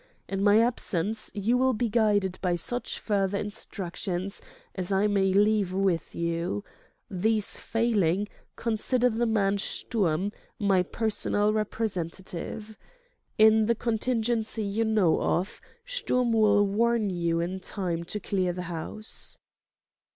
In my absence you will be guided by such further instructions as I may leave with you. These failing, consider the man Sturm, my personal representative. In the contingency you know of, Sturm will warn you in time to clear the house."